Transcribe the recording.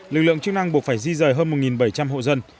lực lượng chức năng buộc phải di rời hơn một bảy trăm linh hộ dân